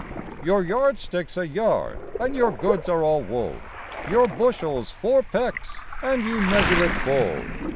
Your yardstick's a yard and your goods are all wool; Your bushel's four pecks and you measure it full.